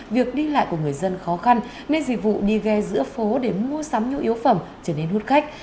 việc đi lại của người dân khó khăn nên dịch vụ đi ghe giữa phố để mua sắm nhu yếu phẩm trở nên hút khách